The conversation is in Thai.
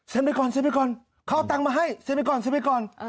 ไปก่อนเซ็นไปก่อนเขาเอาตังค์มาให้เซ็นไปก่อนซื้อไปก่อน